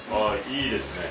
いいですね。